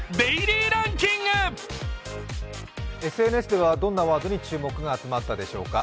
ＳＮＳではどんなワードに注目が集まったでしょうか。